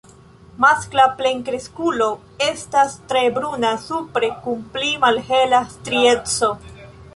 Maskla plenkreskulo estas tre bruna supre kun pli malhela strieco.